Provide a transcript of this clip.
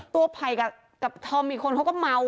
ตัวภัยกับถ้ามีคนเขาก็เมา